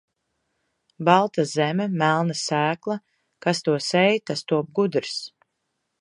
Balta zeme, melna sēkla, kas to sēj, tas top gudrs.